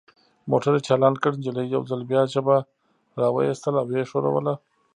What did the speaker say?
موټر یې چالان کړ، نجلۍ یو ځل بیا ژبه را وایستل او ویې ښوروله.